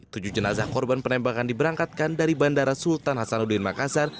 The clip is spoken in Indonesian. tujuh jenazah korban penembakan diberangkatkan dari bandara sultan hasanuddin makassar